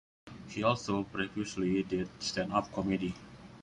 He also previously did standup comedy.